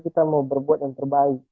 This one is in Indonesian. kita mau berbuat yang terbaik